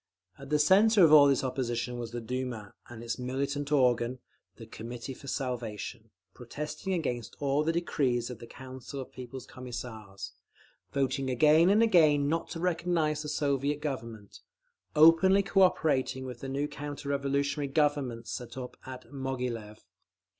At the centre of all this opposition was the Duma, and its militant organ, the Committee for Salvation, protesting against all the decrees of the Council of People's Commissars, voting again and again not to recognise the Soviet Government, openly cooperating with the new counter revolutionary "Governments" set up at Moghilev….